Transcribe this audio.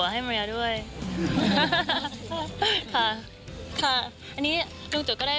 ชอบโมโหใส่คุณนิกเลยนะครับ